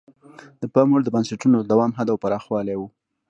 د پام وړ د بنسټونو د دوام حد او پراخوالی وو.